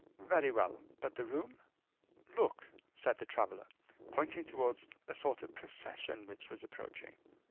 "Very well; but the room?" "Look," said the traveler, pointing towards a sort of procession which was approaching.